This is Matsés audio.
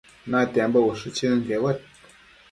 Natiambo ushë chënquedued